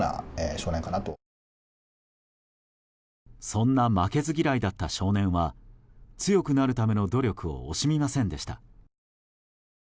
そんな負けず嫌いだった少年は強くなるための努力を惜しみませんでした。